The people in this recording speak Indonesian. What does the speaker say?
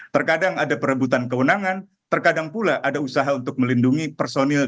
terkadang ada perebutan kewenangan terkadang pula ada usaha untuk melindungi personil